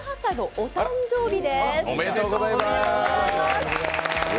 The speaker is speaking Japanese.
おめでとうございます！